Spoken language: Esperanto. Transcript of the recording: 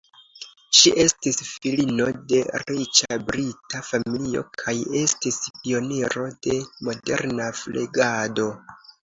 Ŝi estis filino de riĉa brita familio kaj estis pioniro de moderna flegado.